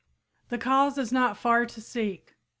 The cause is not far to seek.